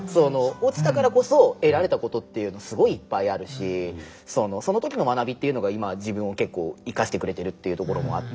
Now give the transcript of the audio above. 落ちたからこそ得られたことっていうのはすごいいっぱいあるしその時の学びっていうのが今自分を結構生かしてくれてるっていうところもあって。